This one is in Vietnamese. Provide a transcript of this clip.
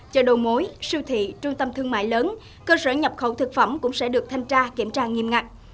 chợ đầu mối siêu thị trung tâm thương mại lớn cơ sở nhập khẩu thực phẩm cũng sẽ được thanh tra kiểm tra nghiêm ngặt